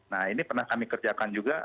nah ini pernah kami kerjakan juga